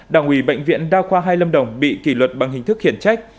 đảng ủy bệnh viện đa khoa hai lâm đồng bị kỷ luật bằng hình thức khiển trách